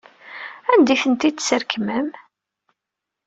Anda ay tent-id-tesrekmem?